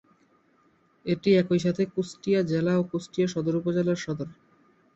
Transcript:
এটি একইসাথে কুষ্টিয়া জেলা ও কুষ্টিয়া সদর উপজেলার সদর।